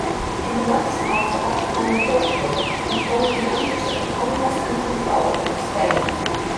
In the months after occupying Portugal, Napoleon undertook the conquest and control of Spain.